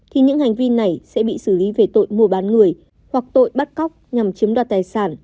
thì những hành vi này sẽ bị xử lý về tội mua bán người hoặc tội bắt cóc nhằm chiếm đoạt tài sản